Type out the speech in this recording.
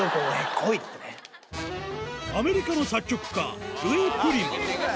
アメリカの作曲家、ルイ・プリマ。